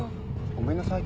ごめんなさい